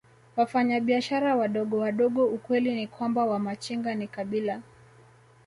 Wafanyabiashara wadogowadogo Ukweli ni kwamba Wamachinga ni kabila